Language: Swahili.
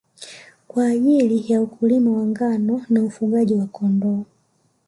Kwa ajili ya ukulima wa ngano na ufugaji wa Kondoo